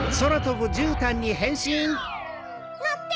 のって！